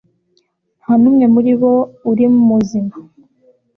nta n'umwe muri bo uri muzima